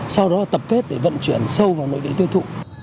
sau đó tập kết để vận chuyển sâu vào nội địa tiêu thụ